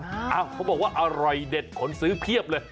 เขาบอกว่าอร่อยเด็ดขนซื้อเพียบเลย